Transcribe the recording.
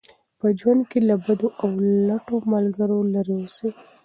په ژوند کې له بدو او لټو ملګرو لرې اوسئ.